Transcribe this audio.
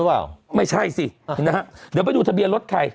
อ้าวมันก็ขึ้นค่า